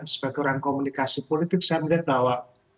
sebagai orang komunikasi politik saya melihat bahwa